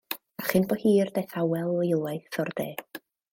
A chyn bo hir daeth awel eilwaith o'r de.